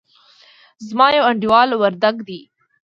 زما يو انډيوال وردګ دئ.